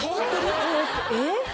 ・えっ！？